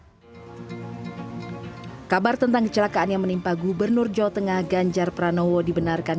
hai kabar tentang kecelakaan yang menimpa gubernur jawa tengah ganjar pranowo dibenarkan